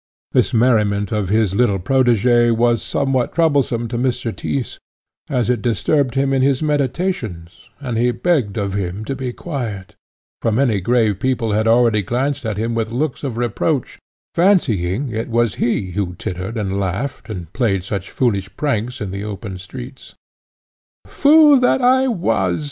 This merriment of his little protegé was somewhat troublesome to Mr. Tyss, as it disturbed him in his meditations, and he begged of him to be quiet, for many grave people had already glanced at him with looks of reproach, fancying it was he who tittered and laughed, and played such foolish pranks in the open streets. "Fool that I was!"